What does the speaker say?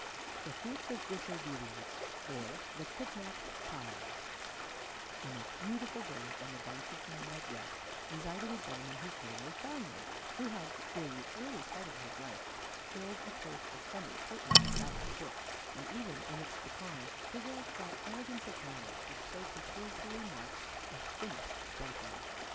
THE FRUITS OF DISOBEDIENCE OR THE KIDNAPPED CHILD In a beautiful villa on the banks of the Medway resided a gentleman whose name was Darnley, who had, during the early part of life, filled a post of some importance about the Court, and even in its decline preserved that elegance of manners which so peculiarly marks a finished gentleman.